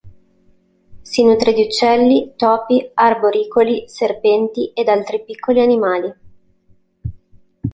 Si nutre di uccelli, topi arboricoli, serpenti, ed altri piccoli animali.